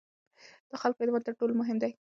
د خلکو اعتماد تر ټولو مهم دی